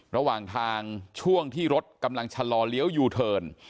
ระหว่างทางช่วงที่รถกำลังชะลอเลี้ยวยูเทิร์น